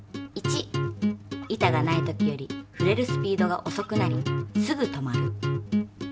板がない時より振れるスピードが遅くなりすぐ止まる。